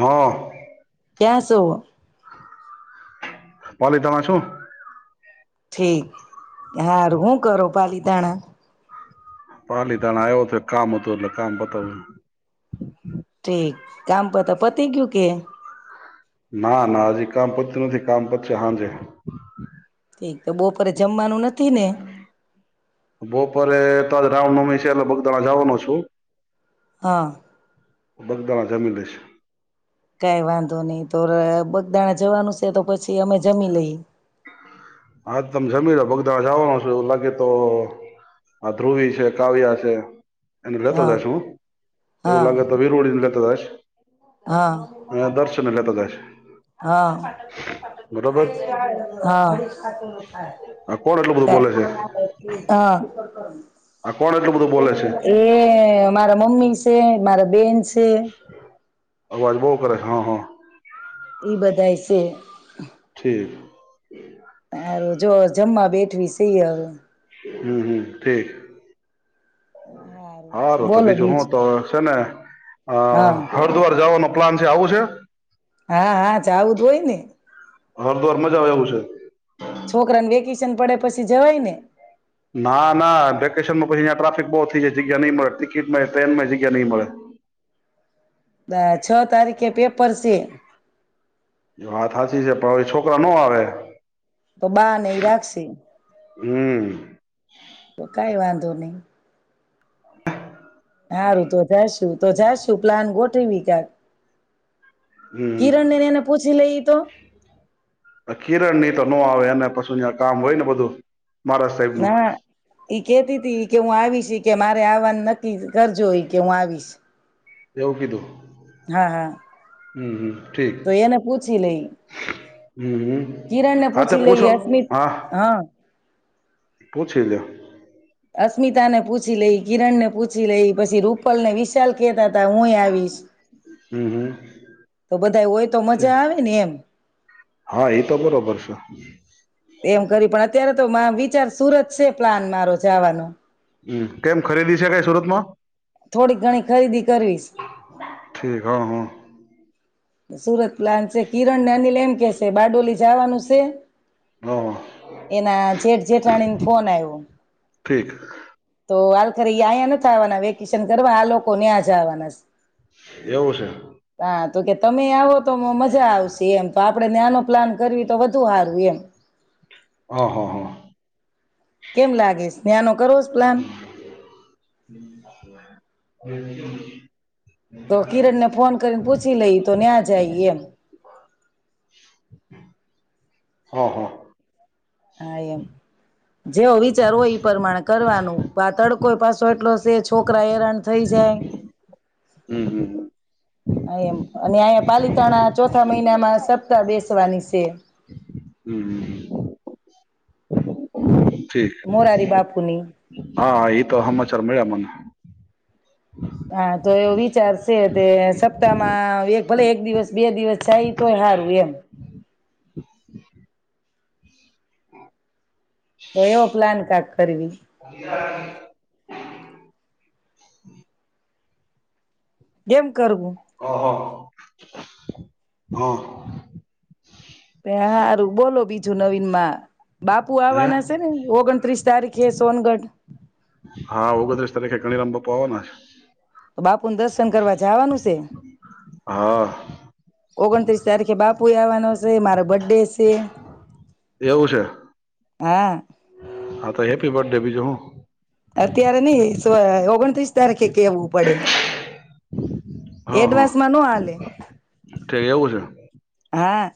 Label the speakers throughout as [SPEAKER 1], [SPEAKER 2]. [SPEAKER 1] હા.
[SPEAKER 2] ક્યાસો?
[SPEAKER 1] પાલિતાણા છું.
[SPEAKER 2] હારુ, હું કરો પાલીતાણા?
[SPEAKER 1] પાલીતાણા આવ્યો છે, કામ હતું એટલે કામ પતાવ
[SPEAKER 2] ઠીક કામ પતા પતિગયું કે?
[SPEAKER 1] ના ના હજી કામ પતું નથી, કામ પતશે હાંજે
[SPEAKER 2] ઠીક તો બપોરે જમવા નું નથી ને
[SPEAKER 1] બપોરે [unintelligible] રામનવમી છે, એટલે ભગદણા જવાનો છું
[SPEAKER 2] હા.
[SPEAKER 1] બગદાણા જમીન છે
[SPEAKER 2] કઈ વાંધો નઈ, તો બગદાણા જવાનું છે તો પછી અમે જમી લઈએ.
[SPEAKER 1] હા, તમે જમીલો ભગદા જવાનું છ એવું લાગે તો આ ધ્રુવી છે, કાવ્યા છે, એને લેતો
[SPEAKER 2] હા
[SPEAKER 1] જશ હું, એવું
[SPEAKER 2] હા
[SPEAKER 1] લાગે તો વીરળડીને લેતો જશ
[SPEAKER 2] હા,
[SPEAKER 1] લેતો જઈશ
[SPEAKER 2] હા,
[SPEAKER 1] બરોબર
[SPEAKER 2] હા. [inaudible] હા.
[SPEAKER 1] આ કોણ એટલું બધું બોલે છે આ કોણ એટલું બધું બોલે છે
[SPEAKER 2] એ મારા મમ્મી છે મારા બેન્સ છે
[SPEAKER 1] આવાજ બો કરે હા હા
[SPEAKER 2] ઈ બધાય છે
[SPEAKER 1] ઠીક
[SPEAKER 2] તારું જો જમવા બેઠવી સઈ હવે
[SPEAKER 1] હમ્મ, હમ્મ ઠીક હારુ તો બીજું હું તો છે ને, અહ
[SPEAKER 2] હા
[SPEAKER 1] હરદ્વાર જવાનો પ્લાન છે, આવું છે?
[SPEAKER 2] હા, હા. આવધું હોય ને
[SPEAKER 1] હરદ્વાર મજા આવે એવું છે.
[SPEAKER 2] છોકરા ને વેકી શન પડે પછી જવાય ને?
[SPEAKER 1] ના ના વેકેશનમાં પછી અહીંયા ટ્રાફિક બહુ થઈ જાય જગ્યા નહી મળે ટિકિટમાં ટ્રેન માં જગ્યા નહી મળે.
[SPEAKER 2] દા છ તારીખે પેપર છે.
[SPEAKER 1] એ વાત હાચી છે પ એ છોકરા નો આવે.
[SPEAKER 2] તો બાને ઈ રાખશે.
[SPEAKER 1] હમ
[SPEAKER 2] તો કઈ વાંધ ધો નહીં. હારું તો જાશું તો જાશું પ્લાન ગોઠવીકાળ.
[SPEAKER 1] હમ
[SPEAKER 2] કિરન ને એને પૂછી લઈ તો?
[SPEAKER 1] નો આવે અને પછું યા કામ હોય ને બધું. મહારાજ સાહેબનું
[SPEAKER 2] ના ઈ કેતી તી કે હું આવી છી કે મારે આવાન નક્કી કરજો હિ કે હું આવીશ.
[SPEAKER 1] એવું કીધું?
[SPEAKER 2] હા હા.
[SPEAKER 1] હમ્મ, હમ્મ.
[SPEAKER 2] તો એને પૂછી લઈ
[SPEAKER 1] હમ હમ
[SPEAKER 2] કિરણ ને
[SPEAKER 1] હા તે
[SPEAKER 2] પૂછી લઈ
[SPEAKER 1] પૂછો
[SPEAKER 2] અસ્મિત હા.
[SPEAKER 1] પૂછી લે.
[SPEAKER 2] અસ્મિતા ને પૂછી લઈ કિરણ ને પૂછી લઈ પછી રૂપલ ને વિશાલ કહેતા તા હુંય એ આવીશ.
[SPEAKER 1] હમ હમ
[SPEAKER 2] તો બધા હોય તો
[SPEAKER 1] ઠીક
[SPEAKER 2] મજા આવે ને એમ.
[SPEAKER 1] હા એ તો બરોબર છે.
[SPEAKER 2] એમ કરી પણ અત્યારે તો માં વિચાર સુરત છે પ્લાન મારો જવાનો.
[SPEAKER 1] હમ્મ. કેમ ખરીદી છે કઈ સુરતમાં?
[SPEAKER 2] થોડીક ઘણી ખરીદી કરવીશ.
[SPEAKER 1] ઠીક હ હ.
[SPEAKER 2] અ સુરત પ્લાન છે કિરણ ને અનિલ એમ કે છે બારડોલી જવાનુંસ છે.
[SPEAKER 1] હા
[SPEAKER 2] એના જેઠ જેઠાણીને ફોન આવ્યો
[SPEAKER 1] ઠીક
[SPEAKER 2] તો આલ ફરરે ઈ આયા નથ આવવાના વેકેશન કરવા આ લોકોને આજ આવવાનાસ.
[SPEAKER 1] એવું છે.
[SPEAKER 2] તમે આવો તો મજા આવશે એમ તો આપડે નાનો પ્લાન કરવી તો વધુ હારું એમ.
[SPEAKER 1] હા, હા, હા.
[SPEAKER 2] કેમ લાગે સે યાનો કરોસ પ્લાન.
[SPEAKER 1] [unintelligible]
[SPEAKER 2] તો કિરણ ને ફોન કરીને પૂછી લઈ તો ન્યાં જાય એમ.
[SPEAKER 1] હા હા.
[SPEAKER 2] હા એમ જેવો વિચાર હોય એ પ્રમાણે કરવાનું આ તડકો પાછો એટલો છે છોકરા હેરાન થઈ જાય
[SPEAKER 1] હમ હમ
[SPEAKER 2] એમ અને અંયા પાલીતાણા ચોથા મહિનામાં સપ્તાહ બેસવાની સે.
[SPEAKER 1] હમ હમ
[SPEAKER 2] મોરારી
[SPEAKER 1] [unintelligible]
[SPEAKER 2] બાપુની
[SPEAKER 1] હા એ તો હમાચાર મળ્યા મને.
[SPEAKER 2] હા તો એવો વિચાર છે તે સપ્તાહમાં એક ભલે એક દિવસ બે દિવસ જાય તોય હારું એમ.
[SPEAKER 1] [unintelligible]
[SPEAKER 2] તો યો પ્લાન કાક કરવી.
[SPEAKER 1] [inaudible]
[SPEAKER 2] જેમ
[SPEAKER 1] અહ હા.
[SPEAKER 2] [unintelligible] હારું બોલો બીજું નવીન માં. બાપુ
[SPEAKER 1] હે
[SPEAKER 2] આવાના છે ને ઓગણત્રીસ તારીખે સોનગઢ.
[SPEAKER 1] [unintelligible] આવાના.
[SPEAKER 2] તો બાપુને દર્શન કરવા જાવાનું સે.
[SPEAKER 1] હા
[SPEAKER 2] ઓગણત્રીસ તારીખે બાપુ આવવાનો સે મારો બરડે છે.
[SPEAKER 1] એવું છે.
[SPEAKER 2] હા.
[SPEAKER 1] હા તો હેપી બર્થડે બીજું હું.
[SPEAKER 2] અત્યારે નઈ તો ઓગણત્રીસ તારીખે કેવું પડે. એડવાસ માં નો હાલે. [inaudible]
[SPEAKER 1] તો એવું છે.
[SPEAKER 2] હા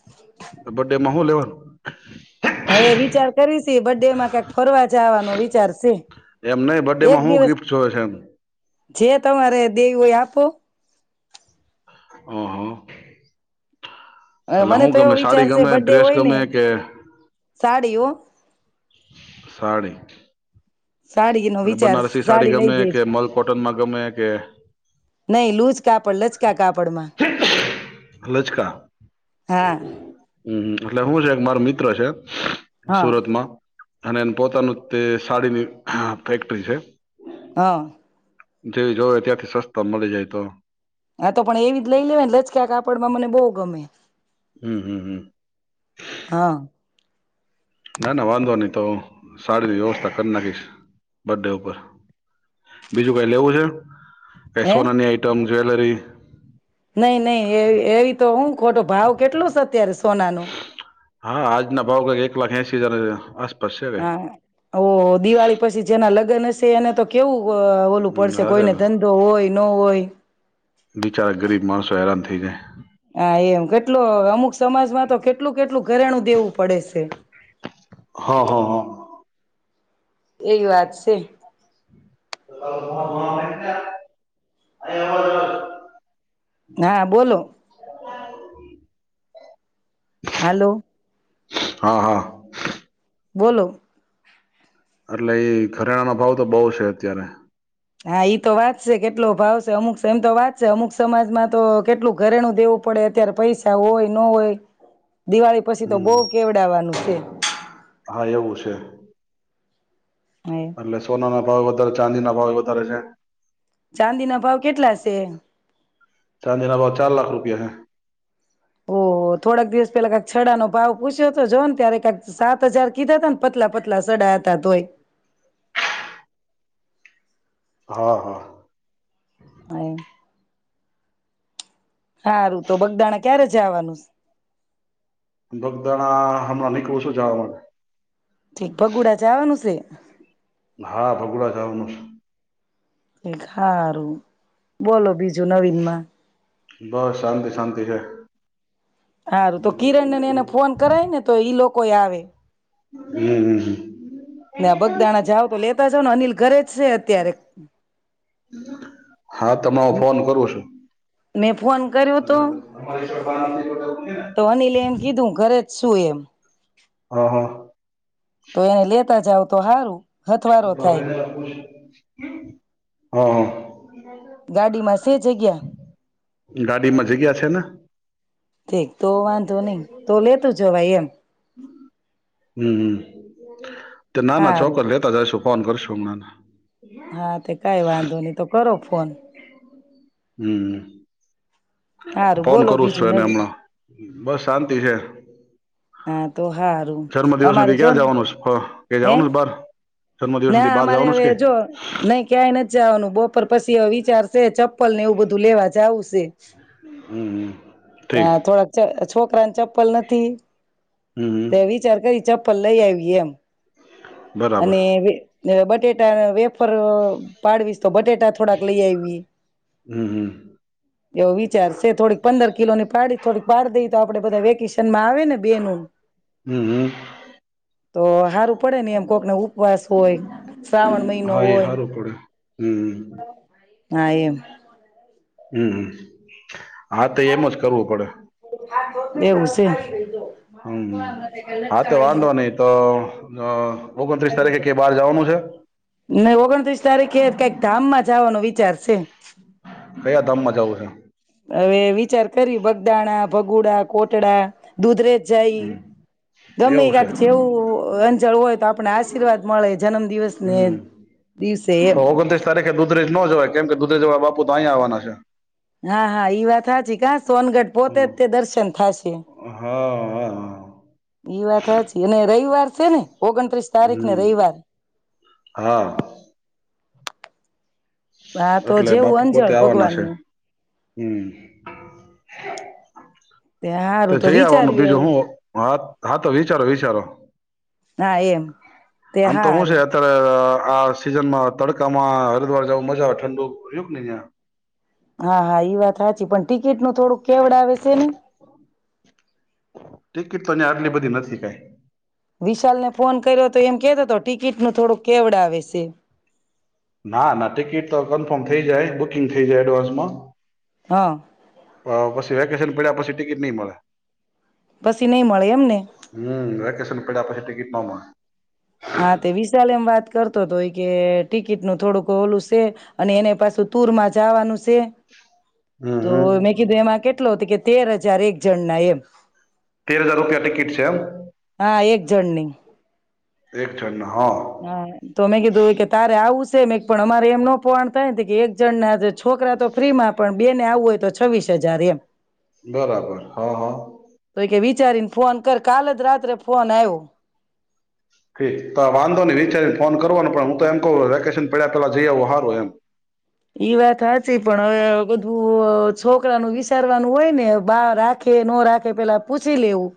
[SPEAKER 1] બરડે માં હું લેવાનું?
[SPEAKER 2] હવે વિચાર કરીશ બરડે માં ક્યાંક ફરવા જવાનો વિચાર સે.
[SPEAKER 1] એમ નહી બર્થ ડે માં હું ગિફ્ટ જોવે છે એમ.
[SPEAKER 2] જે તમારે દેવી હોય આપો.
[SPEAKER 1] અહ.
[SPEAKER 2] અ મને તો એવો વિચાર છે બદ્ડે
[SPEAKER 1] ડ્રેસ
[SPEAKER 2] હોય ને
[SPEAKER 1] ગમે કે
[SPEAKER 2] એવું.
[SPEAKER 1] સાડી.
[SPEAKER 2] સાડી નો
[SPEAKER 1] એટલે
[SPEAKER 2] વિચાર
[SPEAKER 1] બનારસી
[SPEAKER 2] સાડી લઈ
[SPEAKER 1] ગમે
[SPEAKER 2] દેજ.
[SPEAKER 1] કે મલ કોટનમાં ગમે કે
[SPEAKER 2] નઈ લૂજ કાપડ લચકા કાપડમાં હા.
[SPEAKER 1] હમ્મ. એટલે હું છે માર મિત્ર છે.
[SPEAKER 2] હા
[SPEAKER 1] સુરતમાં. અને એ પોતાનું તે સાડીની ફેક્ટરી છે.
[SPEAKER 2] હા.
[SPEAKER 1] જેવી જોવે ત્યાંથી સસ્તા મળી જાય તો
[SPEAKER 2] આતો પણ એવીજ લઈ લેવાય ને, લચકા કાપડમાં મને બો ગમે.
[SPEAKER 1] હમ્મ, હમ્મ, હમ્મ.
[SPEAKER 2] હા
[SPEAKER 1] ના ના વાંધો નઈ. તો સારી વ્યવસ્થા કરી નાખીશ બર્ડે ઉપર, બીજું કઈ લેવું છે?
[SPEAKER 2] હે
[SPEAKER 1] પેસોનાની આઈટમ જે કટલરી
[SPEAKER 2] નહી નહી એ એવી તો હું ખોટો ભાવ કેટલો છે અત્યારે? સોનાનું
[SPEAKER 1] હા, આજના ભાવ કઈ એક લાખ એ [unintelligible]
[SPEAKER 2] હા, ઓ દિવાળી પછી જેના લગ્ન હશે એને તો કેવું ઓલું
[SPEAKER 1] હમ
[SPEAKER 2] પડશે
[SPEAKER 1] અરે
[SPEAKER 2] કોઈને ધંધો હોય ન હોય
[SPEAKER 1] તો હેરાન થઈ જાય
[SPEAKER 2] હા, એમ કેટલો અમુક સમાજમાં તો કેટલું કેટલું ઘરેણું દેવું પડે છે.
[SPEAKER 1] હા, હા, હા.
[SPEAKER 2] એવી વાત છે.
[SPEAKER 1] [inaudible] [inaudible]
[SPEAKER 2] હા બોલો
[SPEAKER 1] [inaudible]
[SPEAKER 2] હલો
[SPEAKER 1] હા, હા.
[SPEAKER 2] બોલો
[SPEAKER 1] એટલે ઘરેણાનો ભાવ તો બો છે અત્યારે
[SPEAKER 2] હા, ઈ તો વાત છે કેટલો ભાવ છે અમુક એમ તો વાત છે અમુક સમાજમાં તો કેટલું ઘરેણું દેવું પડે અત્યારે પૈસા હોય ન હોય દિવાળી પછી તો બહ
[SPEAKER 1] હમ
[SPEAKER 2] કેવડવાનું છે.
[SPEAKER 1] હા એવું છે એટલે સોનાના ભાવ વધારે ચાંદી ના ભાવે વધારે છે.
[SPEAKER 2] ચાંદીના ભાવ કેટલા છે?
[SPEAKER 1] ચાંદીના ભાવ ચાર લાખ રૂપિયા છે
[SPEAKER 2] ઓ થોડાક દિવસ પેલા કંક સડા નો ભાવ પૂછ્યો હતો, જો ને ત્યારે કક સાત હજાર કીધા હતા ને પતલા પતલા સડા હતા તોય
[SPEAKER 1] હા, હા.
[SPEAKER 2] [inaudible] હારું તો બગદાણા ક્યારે જવાનું સે?
[SPEAKER 1] બગદાણા હમણાં નીકળું છું જવા માટે
[SPEAKER 2] ઠીક ભગુડા જાવાનું છે.
[SPEAKER 1] હા, ભગોળ જવાનું છે.
[SPEAKER 2] એક હારું બોલો બીજું નવીન માં?
[SPEAKER 1] બસ, શાંતિ શાંતિ હે.
[SPEAKER 2] હારું તો કિરણ ને એને ફોન કરાય ને તો ઈ લોક કોઈ આવે.
[SPEAKER 1] હમ્મ-હમ્મ-હમ્મ.
[SPEAKER 2] ને બગદાણા જાઓ તો લે તા જાવ ને અનિલ ઘરે જ છે અત્યારે
[SPEAKER 1] હા તમારો ફોન કરું સું?
[SPEAKER 2] નેપ
[SPEAKER 1] [inaudible]
[SPEAKER 2] સૂ એમ.
[SPEAKER 1] હા, હા.
[SPEAKER 2] તો એને લેતા જાવ તો હારુ.
[SPEAKER 1] તો [unintelligible] હા, હા.
[SPEAKER 2] ગાડીમાં શે જગ્યા?
[SPEAKER 1] ગાડીમાં જગ્યા છે ને.
[SPEAKER 2] ઠીક તો વાંધો નઈ, તો લેતું જવાઈ એમ.
[SPEAKER 1] હમ્મ-હમ્મ. તે નાના
[SPEAKER 2] હારું
[SPEAKER 1] છોકર લેતા જાશું. ફોન કરશું હમણાં.
[SPEAKER 2] હા તે કાઈ વાંધો નહી. તો કરો ફોન.
[SPEAKER 1] હમ્મ.
[SPEAKER 2] હારું
[SPEAKER 1] ફોન
[SPEAKER 2] બોલો
[SPEAKER 1] કરું જ
[SPEAKER 2] બીજું
[SPEAKER 1] સું એને
[SPEAKER 2] નવીન
[SPEAKER 1] હમણાં. બસ શાંતિ હે.
[SPEAKER 2] હા તો હારું
[SPEAKER 1] જર્મ દિવસ ના
[SPEAKER 2] અમારે
[SPEAKER 1] દિ
[SPEAKER 2] જો
[SPEAKER 1] ક્યાં
[SPEAKER 2] ને
[SPEAKER 1] જાવાનું સ ફર, કેય
[SPEAKER 2] હે
[SPEAKER 1] જાવાનું છ બહાર? જન્મદિવસ
[SPEAKER 2] ના
[SPEAKER 1] નથી બહાર
[SPEAKER 2] અમારે
[SPEAKER 1] જવાનું છે
[SPEAKER 2] હવે
[SPEAKER 1] કે
[SPEAKER 2] જો, નહી ક્યાંય નથ જાવાનું બપોર પછી. વે વિચાર શે ચપ્પલ ને એવું બધું લેવા જાઉ સ સે.
[SPEAKER 1] હમ્મ-હમ્મ.
[SPEAKER 2] તા થોડાક [unintelligible] છોકરા ન ચપ્પલ નથી.
[SPEAKER 1] હમ હમ
[SPEAKER 2] તે વિચાર કરી ચપ પલ લઈ આવીયે એમ.
[SPEAKER 1] બરાબર
[SPEAKER 2] અને વે ને બટેટા અન વેફર પાડવીશ તો બટેટા થોડાક લઈ આયવી.
[SPEAKER 1] હમ હમ
[SPEAKER 2] એવો વિચારશે થોડીક પંદર કિલોની પાડી થોડીક પાડ દઈ તો આપડે બધાય વેકેશન ના આવે ને બેનૂ.
[SPEAKER 1] હમ હમ
[SPEAKER 2] તો હારું પડેને એમ કોકનો ઉપવાસ હોય. શ્રાવણ મહિનો
[SPEAKER 1] હા એ
[SPEAKER 2] હોય
[SPEAKER 1] સારું પડે હમ
[SPEAKER 2] હા એમ
[SPEAKER 1] હમ્મ હમ્મ હા, તો એમ જ કરવું પડે.
[SPEAKER 2] એવું છે.
[SPEAKER 1] હમ્મ હમ્મ, હા, તો વાંધો નહી તો અ ઓગનત્રીસ તારીખે કે બહાર જવાનું છે?
[SPEAKER 2] જાવાનો વિચાર છે. [unintelligible]
[SPEAKER 1] કયા ધામમા જાવુ છે?
[SPEAKER 2] હવે વિચાર કરી બગદાણા, ભગુડા, કોટડા, દૂધરેજ જાઈ
[SPEAKER 1] હમ
[SPEAKER 2] ગમે
[SPEAKER 1] એવું છે
[SPEAKER 2] ક્યાક જેવું અંજળ હોય તો આપ પના આશીર્વાદ મળે જનમ દિવસને એમ.
[SPEAKER 1] હમ
[SPEAKER 2] દિવસે એમ.
[SPEAKER 1] તો ઓગણત્રીસ તારીખે દુધરેજ ન જવાય કેમ કે દુધરેજ વાળા બાપુ તો આયા આવવાના છે.
[SPEAKER 2] હા હા, ઈ વાત હાચી કાસ સોનગઢ પોતે જ તે દર્શન થાય સ છી
[SPEAKER 1] હા હા હા
[SPEAKER 2] ઈ વાત હાચી અને રવિવાર છે ને ઓગનત્રીસ તારીખને
[SPEAKER 1] હમ
[SPEAKER 2] રવિવાર.
[SPEAKER 1] હા
[SPEAKER 2] હા, તો
[SPEAKER 1] એટલે
[SPEAKER 2] જેવું
[SPEAKER 1] બાપુ પોતે
[SPEAKER 2] અંજળ
[SPEAKER 1] આવવાના છે.
[SPEAKER 2] ભગવાનનું.
[SPEAKER 1] હમ.
[SPEAKER 2] તે
[SPEAKER 1] તો
[SPEAKER 2] હારું
[SPEAKER 1] જઈ આવવાનું બીજું
[SPEAKER 2] વિચાર્યું
[SPEAKER 1] હું હા હા તો વિચારો વિચારો.
[SPEAKER 2] હવે હા એમ તે
[SPEAKER 1] આમ તો હું છે
[SPEAKER 2] હારું
[SPEAKER 1] અત્યારે અ આ સિઝનમાં તડકામાં હરિદ્વાર જવું મજા આવે ઠંડુ રયુને યા.
[SPEAKER 2] હા હા ઈ વાત હાચી પણ ટિકિટનું થોડુંક કેવડાવ છે ને.
[SPEAKER 1] ટિકિટ તો ન્યા આટલી બધી નથી કાંઈ.
[SPEAKER 2] વિશાલને ફોન કર્યોતો એમ કેતોતો ટિકિટનું થોડું કેવડાવે સે.
[SPEAKER 1] ના ના ટિકિટ તો કન્ફર્મ થઇ જાય બુકિંગ થઇ જાય એડવાન્સમાં.
[SPEAKER 2] હા
[SPEAKER 1] હ, પછી વેકેશન પડ્યા પછી ટિકિટ ની મળે.
[SPEAKER 2] પછી નઈ મળે એમ ને
[SPEAKER 1] હમ, વેકેશન પડ્યા પછી ટિકિટ નો મળે.
[SPEAKER 2] હા, તે વિશાલ એમ વાત કરતો તો ઈ કે ટિકિટ નું થોડુંક ઓલું સે અને એને પાછું તુરમાં જાવાનું સે.
[SPEAKER 1] હમ
[SPEAKER 2] તો
[SPEAKER 1] હમ
[SPEAKER 2] મેં કીધું હવે એમાં કેટલો તો કે તેર હજાર એક જણના એમ.
[SPEAKER 1] તેર હજાર રૂપિયા ટિકિટ સે એમ?
[SPEAKER 2] હા એક જણની.
[SPEAKER 1] એક જણના.
[SPEAKER 2] હા તો મેં કીધું ઈ કે તારે આવુંસ? સે મેક પણ અમારે એમ ન પોહાણ થાયન, તો કે એક જણના છોકરા, જે તો ફ્રીમાં પણ બે ને આવવું હોય તો છવ્વીસ હજાર એમ.
[SPEAKER 1] બરાબર હા, હા.
[SPEAKER 2] તો કે વિચારીને ફોન કર. કાલ જ રાત્રે ફોન આયવો.
[SPEAKER 1] ઠીક, તો વાંધો નહીં વિચારીને ફોન કરવાને પણ ઉ હું તો એમ કહું વેકેશન પયડા પેલા જઈ આવો હારું એમ.
[SPEAKER 2] ઈ વાત હાચી પણ હવે બધું અહ છોકરા નું વિચારવાનું હોય ને, બા રાખે, ન રાખે પેલા પૂછી લેવું.